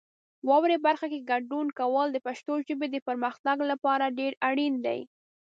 واورئ برخه کې ګډون کول د پښتو ژبې د پرمختګ لپاره ډېر اړین دی.